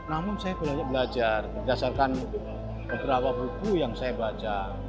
namun saya belajar berdasarkan beberapa buku yang saya baca